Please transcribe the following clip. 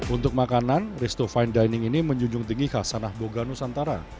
untuk makanan resto fine dining ini menjunjung tinggi khasanah boganu santara